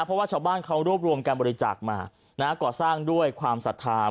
เพราะว่าชาวบ้านเขารวบรวมการบริจาคมาก่อสร้างด้วยความศรัทธา